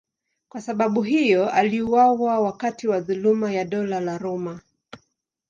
Kwa sababu hiyo aliuawa wakati wa dhuluma ya Dola la Roma.